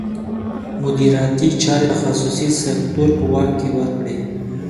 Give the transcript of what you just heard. مدیریتي چارې د خصوصي سکتور په واک کې ورکړي.